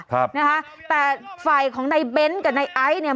ครับนะคะแต่ฝ่ายของในเบ้นกับนายไอซ์เนี่ย